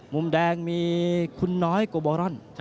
มุมแดงมีคุณน้อยกว่าบรรล